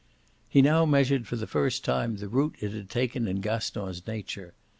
He now measured for the first time the root it had taken in Gaston's nature.